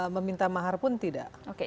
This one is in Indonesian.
meminta mahar pun tidak